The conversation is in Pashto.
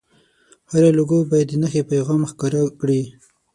هره لوګو باید د نښې پیغام ښکاره کړي.